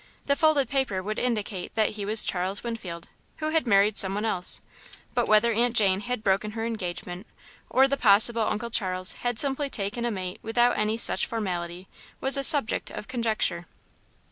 The folded paper would indicate that he was Charles Winfield, who had married some one else, but whether Aunt Jane had broken her engagement, or the possible Uncle Charles had simply taken a mate without any such formality, was a subject of conjecture.